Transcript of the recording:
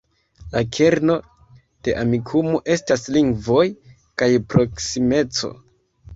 La kerno de Amikumu estas lingvoj kaj proksimeco.